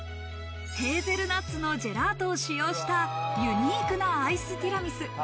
ヘーゼルナッツのジェラートを使用したユニークなアイスティラミス。